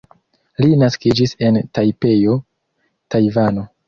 Li naskiĝis en Tajpeo, Tajvano.